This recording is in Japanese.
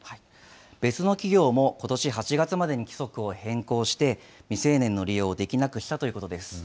別の企業もことし８月までに規則を変更して、未成年の利用をできなくしたということです。